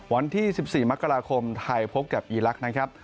วันที่๑๔มกราคมไทยพบกับอีลักษณ์นะครับ